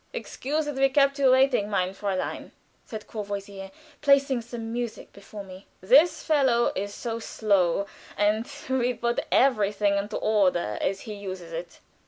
"Excuse that we kept you waiting, mein Fräulein," said Courvoisier, placing some music before me. "This fellow is so slow, and will put everything into order as he uses it."